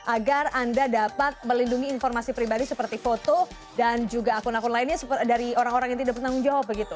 agar anda dapat melindungi informasi pribadi seperti foto dan juga akun akun lainnya dari orang orang yang tidak bertanggung jawab begitu